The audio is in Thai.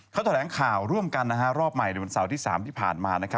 เขาแถลงข่าวร่วมกันรอบใหม่ในวันเสาร์ที่๓ที่ผ่านมา